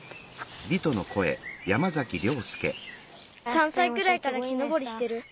３さいくらいから木のぼりしてる。